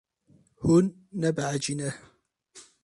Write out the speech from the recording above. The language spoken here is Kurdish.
Hûn nebehecî ne.